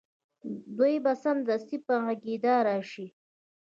دوی به سمدستي په غږېدا راشي